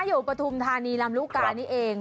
อยู่ประธุมธานีรำรุกานี่เอง